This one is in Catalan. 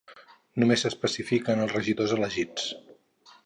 Només s'especifiquen els regidors elegits.